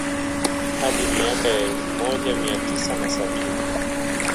Hadi miaka ya elfu moja mia tisa na sabini